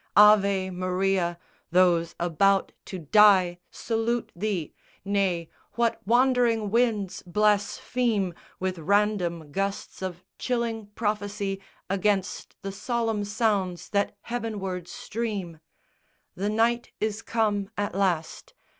AVE MARIA, those about to die Salute thee! Nay, what wandering winds blaspheme With random gusts of chilling prophecy Against the solemn sounds that heavenward stream! The night is come at last.